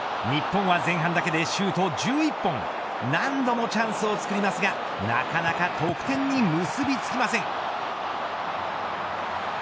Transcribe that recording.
日本は前半だけでシュート１１本何度もチャンスを作りますがなかなか得点に結び付きません。